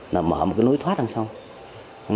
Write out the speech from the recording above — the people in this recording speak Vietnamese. là mở một cái nối thoát đằng sau